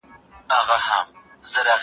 مامد خيره، ستا ئې د خيره.